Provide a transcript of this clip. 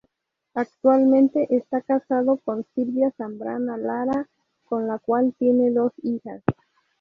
Actualmente está casado con Silvia Zambrana Lara con la cual tiene dos hijas.